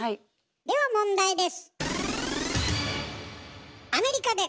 では問題です！